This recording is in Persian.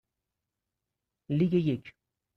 لیگ یک